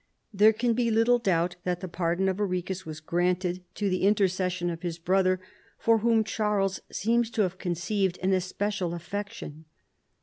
There can be little doubt that the pardon of Arichis was granted to the intercession of his brother, for whom Charles seems to have conceived an especial affection.